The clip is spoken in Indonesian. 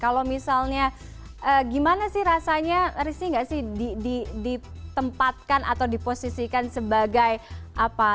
kalau misalnya gimana sih rasanya rizky nggak sih ditempatkan atau diposisikan sebagai apa